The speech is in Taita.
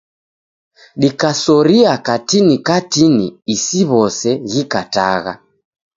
Dikasoria katini katini isiw'ose ghikatagha.